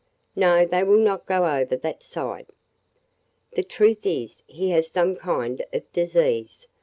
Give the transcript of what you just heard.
"No, they will not go over that side. The truth is he has some kind of disease.